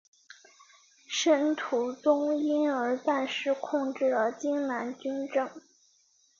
申屠琮因而暂时控制了荆南军政。